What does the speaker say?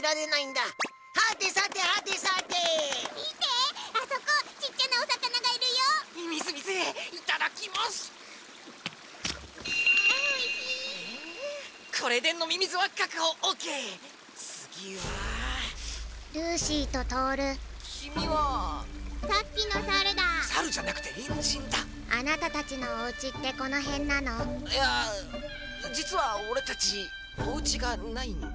いやじつはオレたちおうちがないんだ。